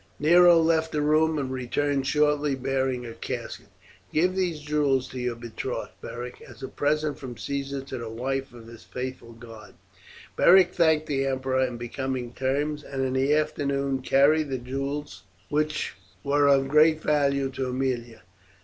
Nero left the room, and returned shortly bearing a casket. "Give these jewels to your betrothed, Beric, as a present from Caesar to the wife of his faithful guard." Beric thanked the emperor in becoming terms, and in the afternoon carried the jewels, which were of great value, to Aemilia.